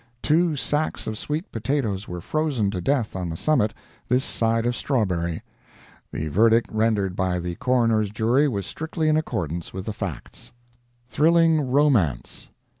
Two sacks of sweet potatoes were frozen to death on the summit, this side of Strawberry. The verdict rendered by the coroner's jury was strictly in accordance with the facts. THRILLING ROMANCE.